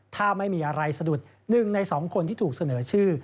ถ้าไม่มีอะไรสะดุด๑ใน๒คนที่ถูกเสนอชื่อ